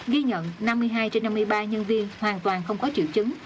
ghi nhận năm mươi hai trên năm mươi ba nhân viên hoàn toàn không có triệu chứng